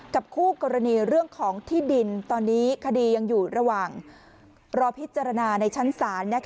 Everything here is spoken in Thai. คู่กรณีเรื่องของที่ดินตอนนี้คดียังอยู่ระหว่างรอพิจารณาในชั้นศาล